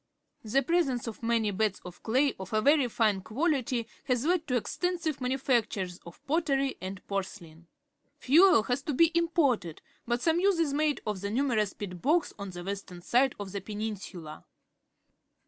The presence of many beds of clay of a very fine qualitj' has led to extensive manufactures of pottery and porcelain. Fuel has to be im ported, but some use is made of the numer ous peat bogs on the western side of the peninsula.